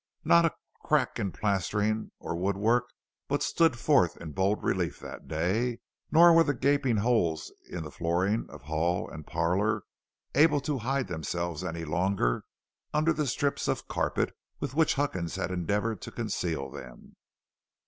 Not a crack in plastering or woodwork but stood forth in bold relief that day, nor were the gaping holes in the flooring of hall and parlor able to hide themselves any longer under the strips of carpet with which Huckins had endeavored to conceal them.